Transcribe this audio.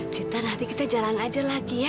sita nanti kita jalan aja lagi ya